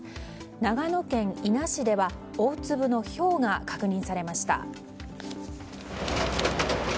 長野県伊那市では大粒のひょうが確認されました。